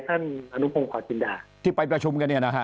ท่านอนุพงศจินดาที่ไปประชุมกันเนี่ยนะฮะ